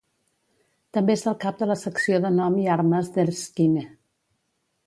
També és el cap de la secció de nom i armes d'Erskine.